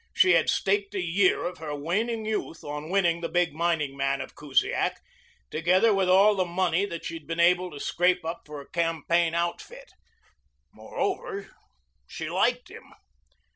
She had staked a year of her waning youth on winning the big mining man of Kusiak, together with all the money that she had been able to scrape up for a campaign outfit. Moreover, she liked him.